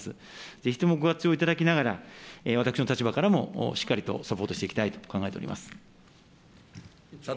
ぜひともご活用いただきながら、私の立場からも、しっかりとサポートしていきたいと考えております。